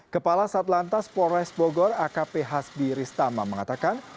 kepala satlantas polres bogor akp hasbi ristama mengatakan